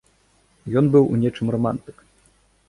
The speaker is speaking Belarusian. Ён быў у нечым рамантык.